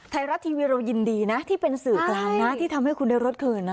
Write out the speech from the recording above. ไทยรัฐทีวีเรายินดีนะที่เป็นสื่อกลางนะที่ทำให้คุณได้รถคืนนะ